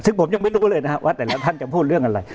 ซึ่งผมยังไม่รู้เลยนะครับว่าแต่ละท่านจะพูดเรื่องอะไร